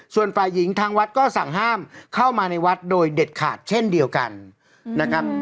ส่วนฝ่ายหญิงทางวัดก็สั่งห้ามเข้ามาในวัดโดยเด็ดขาดเช่นเดียวกันนะครับ